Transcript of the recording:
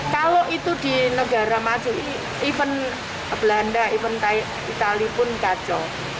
kalau itu di negara maju even belanda event itali pun kacau